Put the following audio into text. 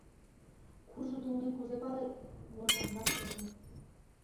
— Куржын толмем кузе палет? — вожылынрак йодам.